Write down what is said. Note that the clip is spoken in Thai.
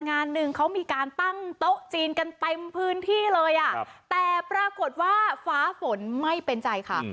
งานหนึ่งเขามีการตั้งโต๊ะจีนกันเต็มพื้นที่เลยอ่ะแต่ปรากฏว่าฟ้าฝนไม่เป็นใจค่ะ